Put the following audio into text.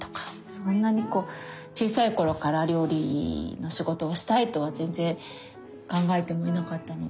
そんなにこう小さい頃から料理の仕事をしたいとは全然考えてもいなかったので。